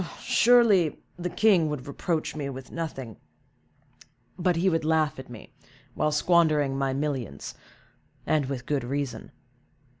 "Surely the king would reproach me with nothing, but he would laugh at me, while squandering my millions, and with good reason."